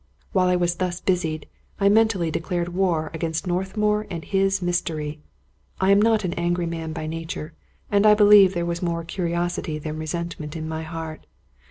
While I was thus busied, I mentally declared war against Northmour and his mystery. I am not an angry man by nature, and I believe there was more curiosity than resentment in my heart.